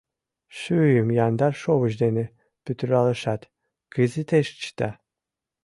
Шӱйым яндар шовыч дене пӱтыралешат, кызытеш чыта.